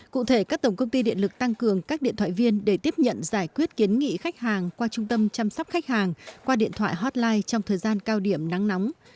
cụ thể các tổng công ty điện lực tăng cường các điện thoại viên để tiếp nhận giải quyết kiến nghị khách hàng qua trung tâm chăm sóc khách hàng qua điện thoại hotline trong thời gian cao điểm nắng nóng